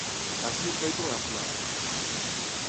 Así foi con Aznar.